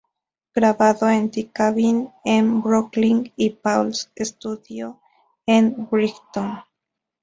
Grabado en The Cabin en Brooklyn y Paul’s Studio en Brighton.